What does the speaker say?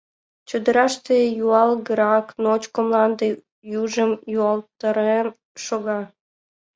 Чодыраште юалгырак, ночко мланде южым юалтарен шога.